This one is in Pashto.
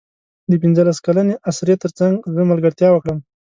د پنځلس کلنې اسرې تر څنګ زه ملګرتیا وکړم.